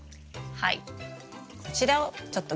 はい。